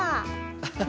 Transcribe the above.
アハハ。